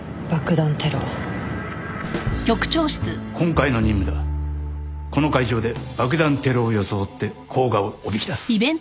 今回の任務ではこの会場で爆弾テロを装って甲賀をおびき出す。